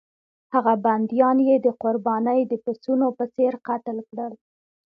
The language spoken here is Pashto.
هغه بندیان یې د قربانۍ د پسونو په څېر قتل کړل.